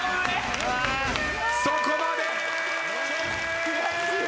そこまで。